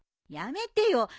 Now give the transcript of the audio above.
やめてよ